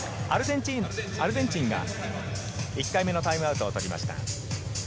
アルゼンチンが、１回目のタイムアウトを取りました。